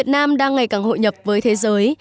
nam đang ngày càng hội nhập với thế giới